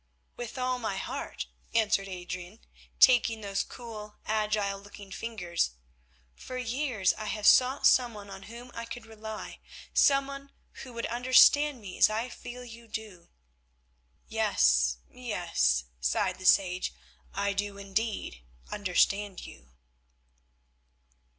"With all my heart," answered Adrian, taking those cool, agile looking fingers. "For years I have sought someone on whom I could rely, someone who would understand me as I feel you do." "Yes, yes," sighed the sage, "I do indeed understand you."